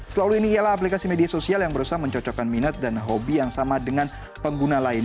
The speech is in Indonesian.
slow ini ialah aplikasi media sosial yang berusaha mencocokkan minat dan hobi yang sama dengan pengguna lain